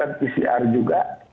dan pcr juga